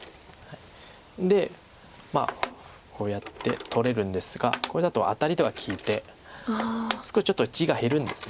でまあこうやって取れるんですがこれだとアタリとか利いて少しちょっと地が減るんです。